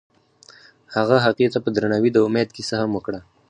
هغه هغې ته په درناوي د امید کیسه هم وکړه.